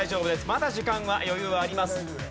まだ時間は余裕あります。